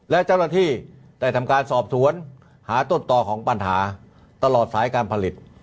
และเจ้าหน้าที่ได้ทำการสอบสวนหาต้นต่อของปัญหาตลอดสายการผลิต